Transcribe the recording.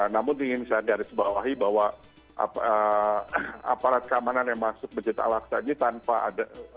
namun ingin saya dari sebab bahwa aparat keamanan yang masuk berjuta alaqsa ini tanpa ada